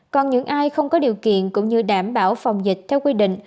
còn những ai không có điều kiện cũng như đảm bảo phòng dịch theo quy định